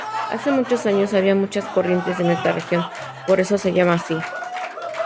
Hace muchos años, había muchas corrientes en esta región, por eso se llama así.